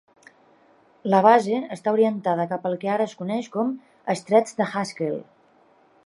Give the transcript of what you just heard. La base està orientada cap a el que ara es coneix com Estret de Haskell.